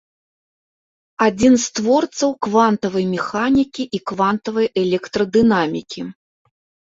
Адзін з творцаў квантавай механікі і квантавай электрадынамікі.